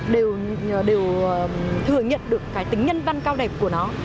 đều thừa nhận được cái tính nhân văn cao đẹp của nó